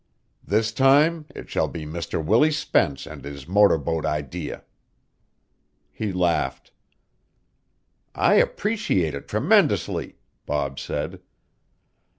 This time it shall be Mr. Willie Spence and his motor boat idee." He laughed. "I appreciate it tremendously," Bob said.